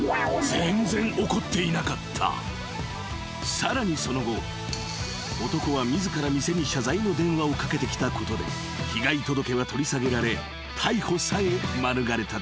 ［さらにその後男は自ら店に謝罪の電話をかけてきたことで被害届は取り下げられ逮捕さえ免れたという］